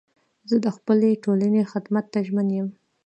زه د خپلي ټولني خدمت ته ژمن یم.